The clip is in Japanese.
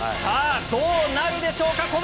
さぁどうなるでしょうか？